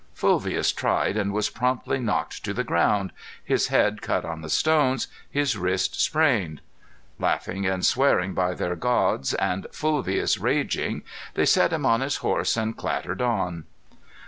Fulvius tried, and was promptly knocked to the ground, his head cut on the stones, his wrist sprained. Laughing and swearing by their gods, and Fulvius raging, they set him on his horse and clattered on.